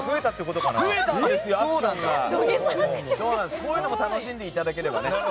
こういうのも楽しんでいただければね。